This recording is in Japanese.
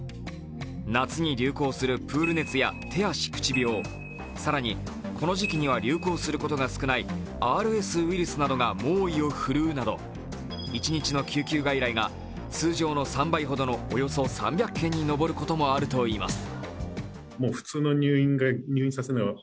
夏に流行するプール熱や手足口病、更にこの時期には流行することが少ないＲＳウイルスなどが猛威を振るうなど一日の救急外来が通常の３倍ほどのおよそ３００件に上ることもあるといいます。